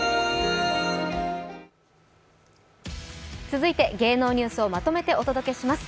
続いて、芸能ニュースをまとめてお届けします